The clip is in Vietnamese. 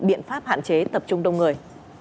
biện pháp hạn chế tập trung đông người